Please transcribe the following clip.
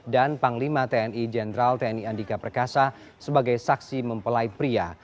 dan panglima tni jenderal tni andika perkasa sebagai saksi mempelai pria